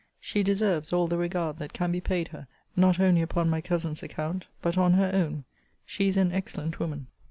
She deserves all the regard that can be paid her; not only upon my cousin's account, but on her own she is an excellent woman.